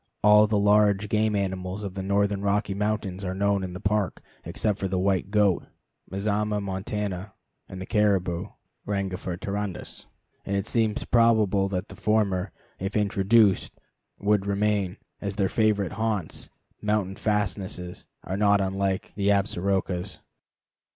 All the large game animals of the northern Rocky Mountains are known in the Park except the white goat (Mazama montana) and the caribou (Rangifer tarandus), and it seems probable that the former, if introduced, would remain, as their favorite haunts, mountain fastnesses, are not unlike the Absarokas.